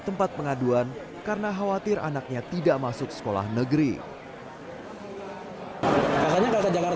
tempat pengaduan karena khawatir anaknya tidak masuk sekolah negeri kakaknya kakak jakarta